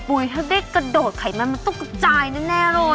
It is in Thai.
ถ้าได้กระโดดไขมันมันต้องกระจายแน่เลย